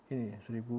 ini ya seribu